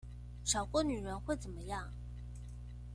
少過女人會怎麼樣？